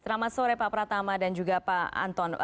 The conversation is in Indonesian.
selamat sore pak pratama dan juga pak anton